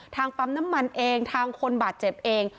ปั๊มน้ำมันเองทางคนบาดเจ็บเอง